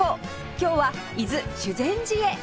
今日は伊豆修善寺へ